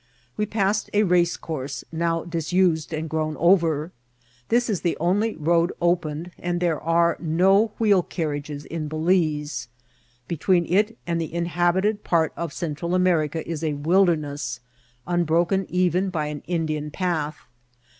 We passed a racecourse, now disused and grown over. This is the only road opened, and there are no wheel carriages in Balize. Between it and the inhabited part of Central America is a wilderness, unbroken even by an Indian path.